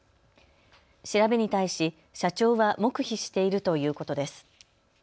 調べに対し社長は黙秘しているということです。